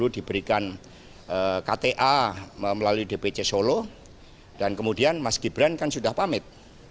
di dpc solo dan kemudian mas gibran kan sudah pamit